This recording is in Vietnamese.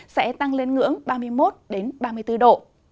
sẽ tăng lên ngưỡng ba mươi một ba mươi bốn độ